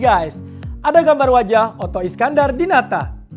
ada gambar wajah otto iskandar di nata